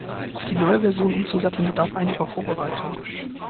Auf die neue Version umzusatteln, bedarf einiger Vorbereitung.